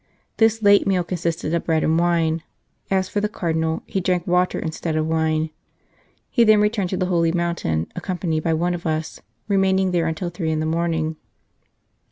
This late meal consisted of bread and wine ; as for the Cardinal, he drank water instead of wine. He then returned to the holy mountain accom panied by one of us, remaining there until three in the morning.